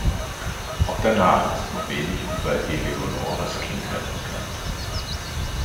Auch danach ist nur wenig über Eleonores Kindheit bekannt.